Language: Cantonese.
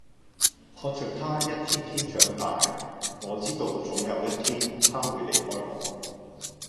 看着他一天天長大，我知道總有一天他會離開我